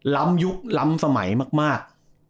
ล้ำยุคล้ำสมัยมาก